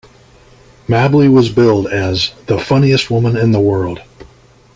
Mabley was billed as "The Funniest Woman in the World".